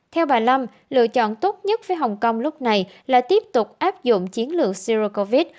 theo bà lâm lựa chọn tốt nhất với hồng kông lúc này là tiếp tục áp dụng chiến lược sirecovid